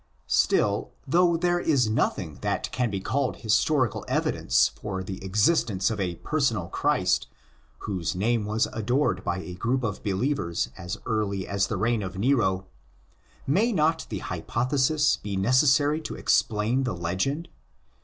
Still, though there is nothing that can be called historical evidence for the existence of a personal Christ whose name was adored by a group of believers as early as the reign of Nero, may not the hypothesis be necessary to explain the legend?